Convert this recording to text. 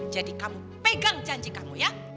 jadi kamu pegang janji kamu ya